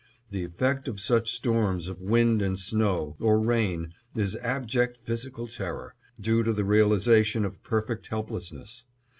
The effect of such storms of wind and snow, or rain, is abject physical terror, due to the realization of perfect helplessness.